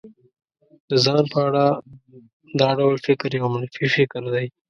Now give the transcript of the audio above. د ځان په اړه دا ډول فکر يو منفي فکر دی.